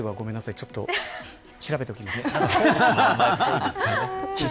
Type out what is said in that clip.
ちょっと調べておきます。